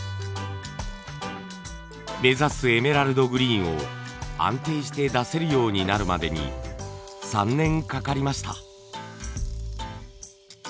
目指すエメラルドグリーンを安定して出せるようになるまでに３年かかりました。